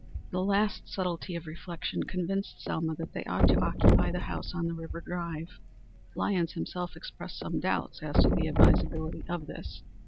This last subtlety of reflection convinced Selma that they ought to occupy the house on the River Drive. Lyons himself expressed some doubts as to the advisability of this.